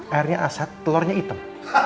airnya asat telurnya hitam